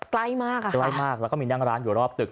ใกล้มากอ่ะใกล้มากแล้วก็มีนั่งร้านอยู่รอบตึก